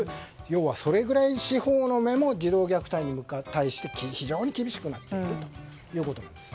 要は、それぐらい司法の目も児童虐待に対して厳しくなっているということです。